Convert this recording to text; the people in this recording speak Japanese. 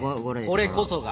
これこそが。